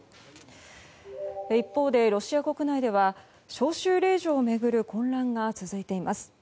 一方で、ロシア国内では招集令状を巡る混乱が続いています。